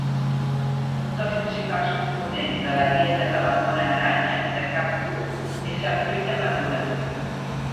Un dels principals components de la dieta de la mona aranya de cap bru és la fruita madura.